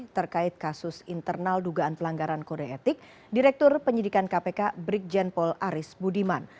terkait kasus internal dugaan pelanggaran kode etik direktur penyidikan kpk brigjen paul aris budiman